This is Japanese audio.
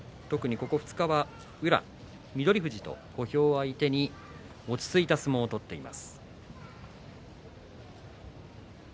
ここ２日は宇良、翠富士と小兵相手に落ち着いた相撲を取っています。